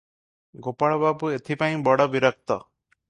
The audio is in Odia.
ଗୋପାଳବାବୁ ଏଥିପାଇଁ ବଡ଼ ବିରକ୍ତ ।